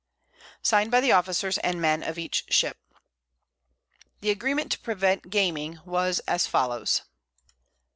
_ Sign'd by the Officers and Men of each Ship. The Agreement to prevent Gaming was as follows.